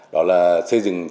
đó là xây dựng nông thôn mới